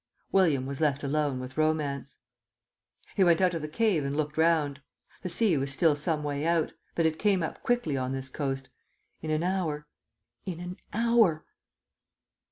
William was left alone with Romance. He went out of the cave and looked round. The sea was still some way out, but it came up quickly on this coast. In an hour ... in an hour....